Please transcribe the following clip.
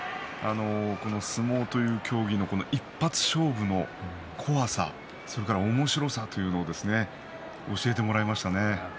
この相撲という競技の一発勝負の怖さ、それからおもしろさというのを教えてもらいましたね。